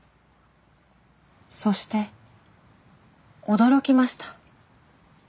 そして驚きました。